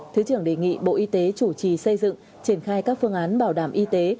thứ trưởng đề nghị bộ y tế chủ trì xây dựng triển khai các phương án bảo đảm y tế